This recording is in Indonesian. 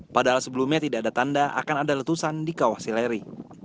padahal sebelumnya tidak ada tanda akan ada letusan di kawah sileri